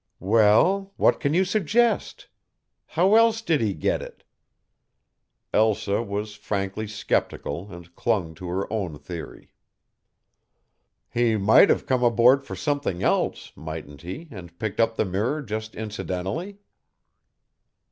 "Well, what can you suggest? How else did he get it?" Elsa was frankly sceptical and clung to her own theory. "He might have come aboard for something else, mightn't he, and picked up the mirror just incidentally?"